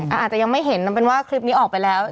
อาจจะยังไม่เห็นนำเป็นว่าคลิปนี้ออกไปแล้ว